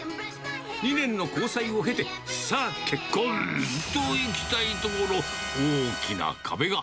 ２年の交際を経て、さあ、結婚といきたいところ、大きな壁が。